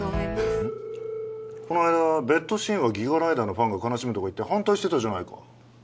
この間ベッドシーンは「ギガライダー」のファンが悲しむとか言って反対してたじゃないか。